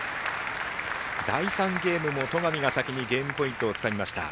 第３ゲームも戸上が先にゲームポイントをつかみました。